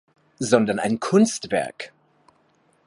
Sondern ein Kunstwerk.